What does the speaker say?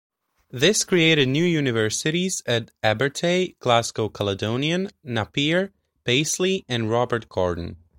This created new universities at Abertay, Glasgow Caledonian, Napier, Paisley and Robert Gordon.